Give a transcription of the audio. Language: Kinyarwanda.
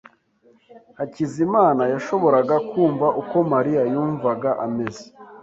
Hakizimana yashoboraga kumva uko Mariya yumvaga ameze.